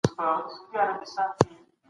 د دغو حاجیانو ګټه دونه ډېره ده چي حساب یې نسته.